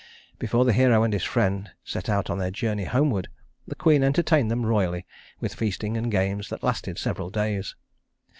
Before the hero and his friend set out on their journey homeward, the queen entertained them royally with feasting and games that lasted several days.